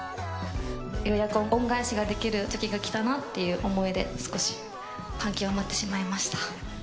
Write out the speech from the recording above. ようやく恩返しができるときが来たなっていう思いで、少し感極まってしまいました。